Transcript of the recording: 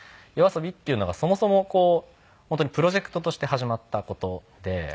ＹＯＡＳＯＢＩっていうのがそもそもこう本当にプロジェクトとして始まった事で。